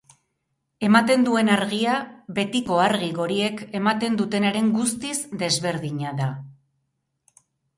Ematen duen argia betiko argi goriek ematen dutenaren guztiz desberdina da.